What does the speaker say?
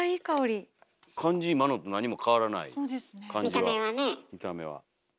見た目は。